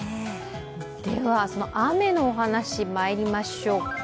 雨のお話まいりましょうか。